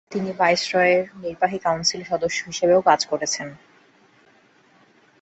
তিনি ভাইসরয়ের নির্বাহী কাউন্সিল সদস্য হিসেবেও কাজ করেছেন।